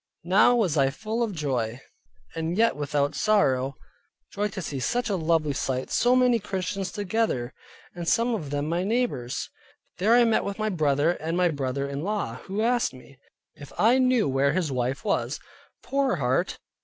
Now was I full of joy, and yet not without sorrow; joy to see such a lovely sight, so many Christians together, and some of them my neighbors. There I met with my brother, and my brother in law, who asked me, if I knew where his wife was? Poor heart!